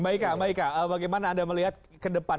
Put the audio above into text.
mbak ika bagaimana anda melihat ke depan